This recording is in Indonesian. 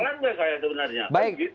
salah nggak saya sebenarnya